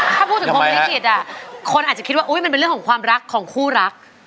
ถ้าพูดถึงพรมลิขิตคนอาจจะคิดว่ามันเป็นเรื่องของความรักของคู่รัก